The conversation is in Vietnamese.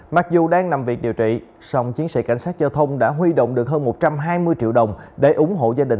mặc dù đang nằm việc điều trị song chiến sĩ cảnh sát giao thông đã huy động được hơn một trăm hai mươi triệu đồng